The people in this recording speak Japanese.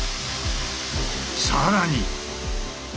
更に。